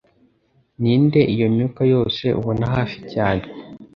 ninde iyo myuka yose ubona hafi cyane